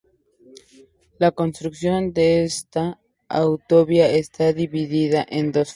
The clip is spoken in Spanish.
La construcción de esta autovía está dividida en dos fases.